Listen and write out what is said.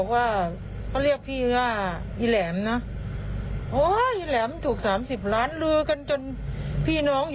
วันนี้ก็ถูกนิดหน่อย